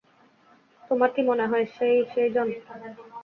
তোমার কি মনে হয় সে-ই, সেইজন?